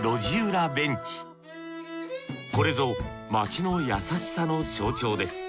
これぞ街の優しさの象徴です。